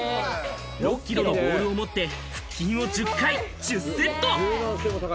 ６キロのボールを持って腹筋を１０回１０セット。